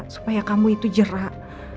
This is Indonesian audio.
supaya kamu itu jerak